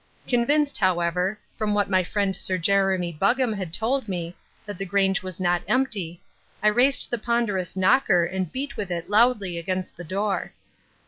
Convinced, however, from what my friend Sir Jeremy Buggam had told me, that the Grange was not empty, I raised the ponderous knocker and beat with it loudly against the door.